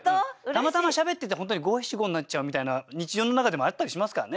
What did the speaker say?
たまたましゃべってて本当に五七五になっちゃうみたいな日常の中でもあったりしますからね。